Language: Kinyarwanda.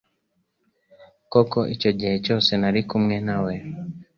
Koko icyo gihe cyose nari kumwe nawe